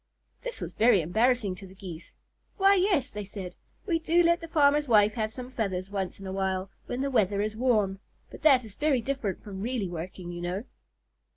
This was very embarrassing to the Geese. "Why, yes," they said, "we do let the farmer's wife have some feathers once in a while, when the weather is warm, but that is very different from really working, you know."